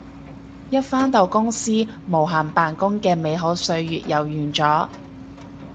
一返到公司無限扮工嘅美好歲月又完咗